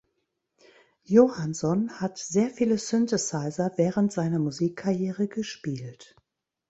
Johansson hat sehr viele Synthesizer während seiner Musikkarriere gespielt.